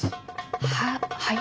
ははい。